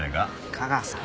架川さん。